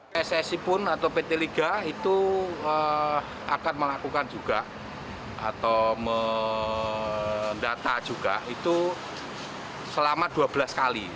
pssi pun atau pt liga itu akan melakukan juga atau mendata juga itu selama dua belas kali